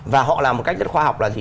và họ làm một cách rất khoa học là gì